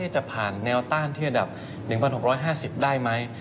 จะผ่านแนวต้านที่ระดับ๑๖๕๐ได้ไหม